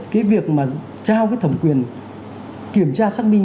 vì vậy cái việc mà trao cái thẩm quyền kiểm tra xác minh